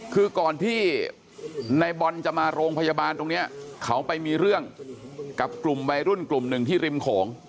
คือก่อนที่ในบอลจะมาโรงพยาบาลตรงนี้เขาไปมีเรื่องกับกลุ่มวัยรุ่นกลุ่มหนึ่งที่ริมโขง